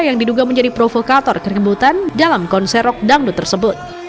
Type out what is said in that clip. yang diduga menjadi provokator keributan dalam konserok dangdut tersebut